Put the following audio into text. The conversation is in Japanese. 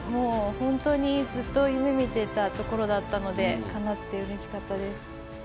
ほんとにずっと夢みてたところだったのでかなってうれしかったです。